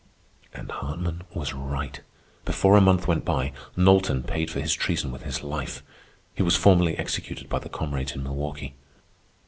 And Hartman was right. Before a month went by Knowlton paid for his treason with his life. He was formally executed by the comrades in Milwaukee.